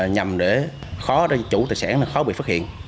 nhằm để khó chủ tài sản khó bị phát hiện